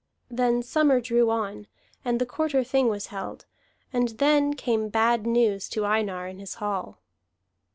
Then summer drew on, and the Quarter Thing was held, and then came bad news to Einar in his hall.